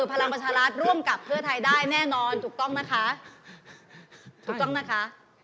พลังประชารัฐร่วมกับเพื่อไทยได้แน่นอนถูกต้องนะคะถูกต้องนะคะ